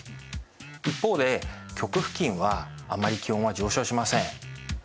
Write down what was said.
一方で極付近はあまり気温は上昇しません。